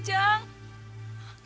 gampang sekali sih jang